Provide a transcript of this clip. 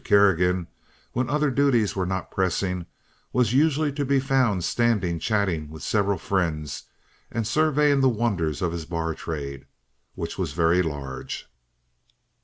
Kerrigan, when other duties were not pressing, was usually to be found standing chatting with several friends and surveying the wonders of his bar trade, which was very large.